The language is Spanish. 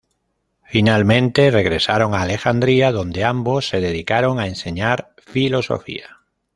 Finalmente regresaron a Alejandría, donde ambos se dedicaron a enseñar filosofía.